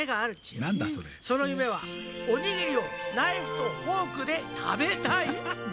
その夢は「おにぎりをナイフとフォークで食べたい」。